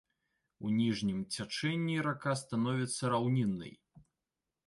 У ніжнім цячэнні рака становіцца раўніннай.